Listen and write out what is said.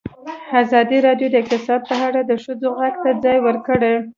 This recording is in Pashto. ازادي راډیو د اقتصاد په اړه د ښځو غږ ته ځای ورکړی.